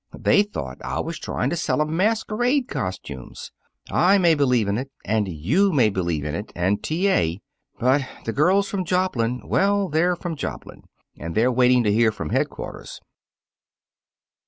They thought I was trying to sell 'em masquerade costumes. I may believe in it, and you may believe in it, and T. A.; but the girls from Joplin well, they're from Joplin. And they're waiting to hear from headquarters."